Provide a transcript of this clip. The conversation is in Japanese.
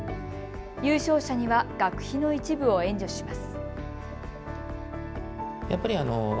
優勝者には学費の一部を援助します。